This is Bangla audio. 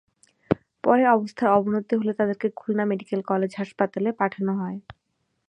পরে অবস্থার অবনতি হলে তাদের খুলনা মেডিকেল কলেজ হাসপাতালে পাঠানো হয়।